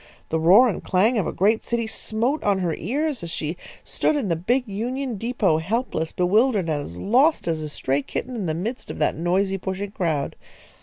The roar and clang of a great city smote on her ears as she stood in the big Union depot, helpless, bewildered, and as lost as a stray kitten in the midst of that noisy, pushing crowd.